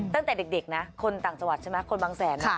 ตั้งแต่เด็กนะคนต่างสวัสตร์ใช่มั้ยคนบางแสน